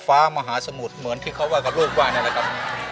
มหาสมุทรเหมือนที่เขาว่ากับลูกว่านั่นแหละครับ